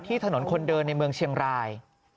ถนนคนเดินในเมืองเชียงราย